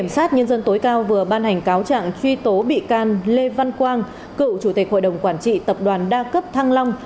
sau vừa ban hành cáo trạng truy tố bị can lê văn quang cựu chủ tịch hội đồng quản trị tập đoàn đa cấp thăng long